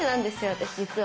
私実は。